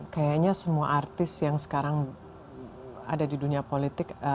kayaknya semua artis yang sekarang ada di dunia politik